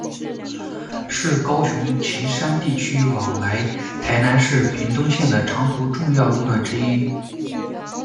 是高雄旗山地区往来台南市、屏东县的长途重要路段之一。